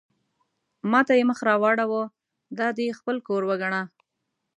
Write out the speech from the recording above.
ما ته یې مخ را واړاوه: دا دې خپل کور وګڼه.